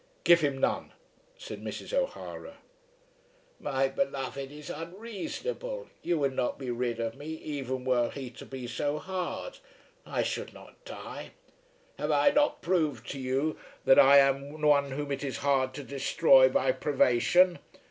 "Give him none," said Mrs. O'Hara. "My beloved is unreasonable. You would not be rid of me even were he to be so hard. I should not die. Have I not proved to you that I am one whom it is hard to destroy by privation.